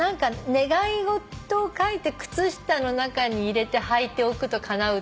願い事を書いて靴下の中に入れてはいておくとかなう。